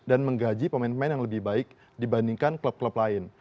dan menggaji pemain pemain yang lebih baik dibandingkan klub klub lain